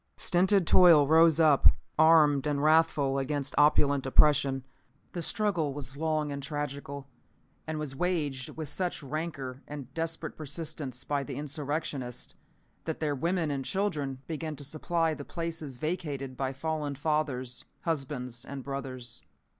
Stinted toil rose up, armed and wrathful, against opulent oppression. The struggle was long and tragical, and was waged with such rancor and desperate persistence by the insurrectionists, that their women and children began to supply the places vacated by fallen fathers, husbands and brothers.